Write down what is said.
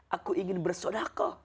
aku ingin bersodakal